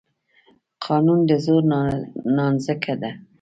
قانون د زور نانځکه ده.